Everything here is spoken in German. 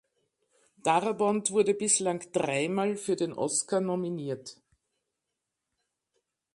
Darabont wurde bislang dreimal für den Oscar nominiert.